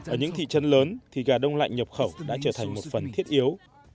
ở những thị trấn lớn thì gà đông lạnh nhập khẩu đã trở thành một phần thiết yếu